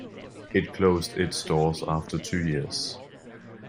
It closed its doors after two years.